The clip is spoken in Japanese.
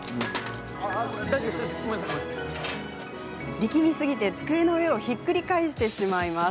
力みすぎて、机の上をひっくり返してしまいます。